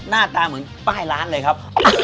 หน้าตาเหมือนป้ายร้านเลยครับ